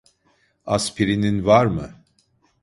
Aspirinin var mı?